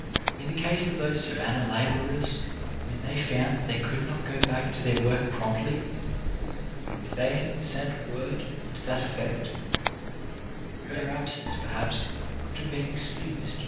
In the case of those Savannah labourers, when they found they could not go back to their work promptly, if they had sent word to #iat effect, their absence, perhaps, could have been excused.